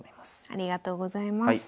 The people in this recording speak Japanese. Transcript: ありがとうございます。